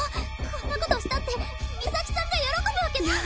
こんなことしたってミサキさんが喜ぶわけない！